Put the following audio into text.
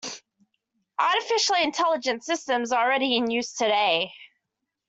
Artificially Intelligent Systems are already in use today.